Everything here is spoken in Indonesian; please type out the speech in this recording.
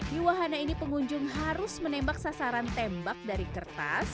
di wahana ini pengunjung harus menembak sasaran tembak dari kertas